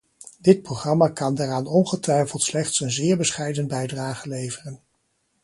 Dit programma kan daaraan ongetwijfeld slechts een zeer bescheiden bijdrage leveren.